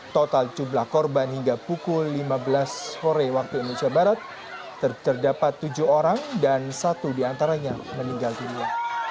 total jumlah korban hingga pukul lima belas wib terdapat tujuh orang dan satu di antaranya meninggal dunia